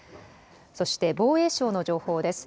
そして防衛省の情報です。